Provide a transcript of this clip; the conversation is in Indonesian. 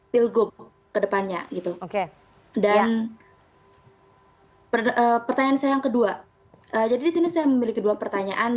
pilgub kedepannya gitu oke dan pertanyaan saya yang kedua jadi disini saya memiliki dua pertanyaan